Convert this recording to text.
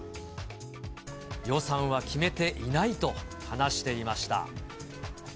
予算は決めていないと話していました。